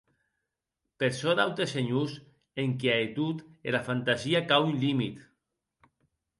Per çò d'aute senhors, enquia e tot era fantasia qu'a un limit.